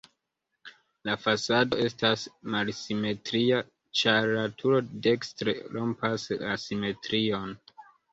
La fasado estas malsimetria, ĉar la turo dekstre rompas la simetrion.